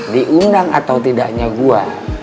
diundang atau tidaknya gue